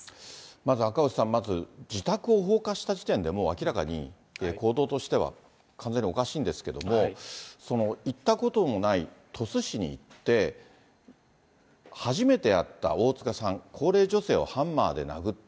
まず赤星さん、まず自宅を放火した時点で、もう明らかに、行動としては完全におかしいんですけども、行ったこともない鳥栖市に行って、初めて会った大塚さん、高齢女性をハンマーで殴った。